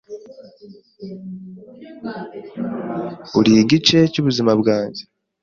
Uri igice cy’ubuzima bwanjye